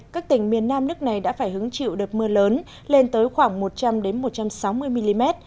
các tỉnh miền nam nước này đã phải hứng chịu đợt mưa lớn lên tới khoảng một trăm linh một trăm sáu mươi mm